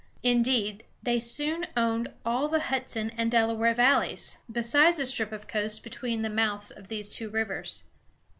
Indeed, they soon owned all the Hudson and Delaware valleys, besides a strip of coast between the mouths of these two rivers.